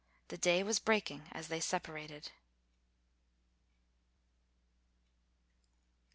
The day was breaking as they separated.